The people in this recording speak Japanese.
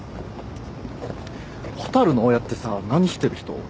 蛍の親ってさ何してる人？